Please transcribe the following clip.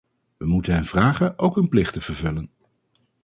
We moeten hen vragen ook hun plicht te vervullen.